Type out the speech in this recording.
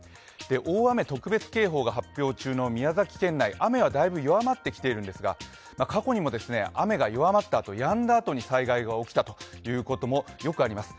大雨特別警報が発表中の宮崎県内、雨はだいぶ弱まってきているんですが、過去にも雨が弱まったあと、やんだあとに災害が起きたということもよくあります。